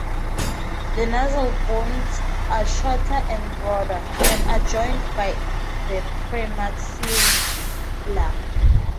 The nasal bones are shorter and broader, and are joined by the premaxilla.